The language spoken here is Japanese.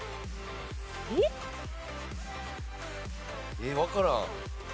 えーっわからん。